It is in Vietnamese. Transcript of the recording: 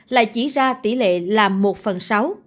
lại chỉ ra tỷ lệ là một phần sáu